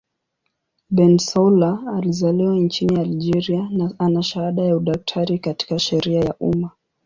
Bensaoula alizaliwa nchini Algeria na ana shahada ya udaktari katika sheria ya umma.